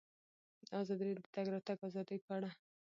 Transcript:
ازادي راډیو د د تګ راتګ ازادي په اړه د استادانو شننې خپرې کړي.